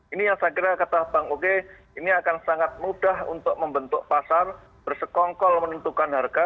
ini yang saya kira kata bang oke ini akan sangat mudah untuk membentuk pasar bersekongkol menentukan harga